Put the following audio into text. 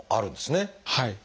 はい。